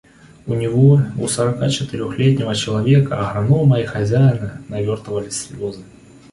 У него, у сорокачетырехлетнего человека, агронома и хозяина, навертывались слезы.